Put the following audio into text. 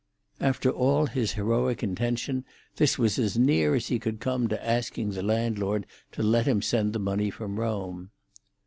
After all his heroic intention, this was as near as he could come to asking the landlord to let him send the money from Rome.